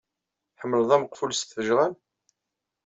Tḥemmleḍ ameqful s tfejɣal?